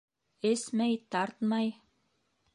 Эсмәй, тартмай.